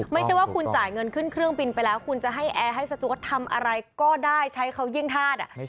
ไม่ใช่ว่าคุณจ่ายเงินขึ้นเครื่องบินไปแล้วคุณจะให้แอร์ให้สจวดทำอะไรก็ได้ใช้เขายิ่งธาตุ